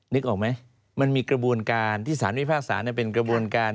นึกออกไหมมันมีกระบวนการที่สารพิพากษาเป็นกระบวนการ